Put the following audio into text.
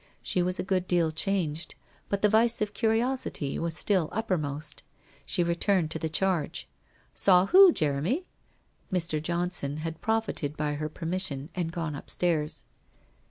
She was a good deal changed, but the vice of curiosity was still uppermost. She returned to the charge. ' Saw who, Jeremy ?' Mr. Johnson had profited by her permission and gone up stairs.